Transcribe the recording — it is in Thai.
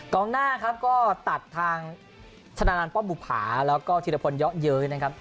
ตอนหน้าก็ตัดทางชนะนานป้อมบุผาแล้วก็ทีรภนเยอะนะครับ